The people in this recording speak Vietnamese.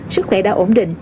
sức khỏe đã ổn định